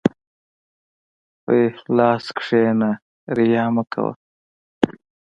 په اخلاص کښېنه، ریا مه کوه.